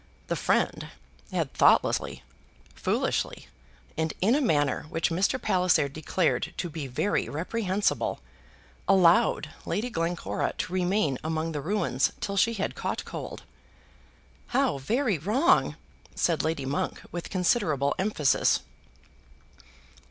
The friend had thoughtlessly, foolishly, and in a manner which Mr. Palliser declared to be very reprehensible, allowed Lady Glencora to remain among the ruins till she had caught cold. "How very wrong!" said Lady Monk with considerable emphasis.